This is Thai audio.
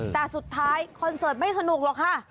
แต่สุดท้ายคอนเสิร์ตไม่สนุกหรอกค่ะ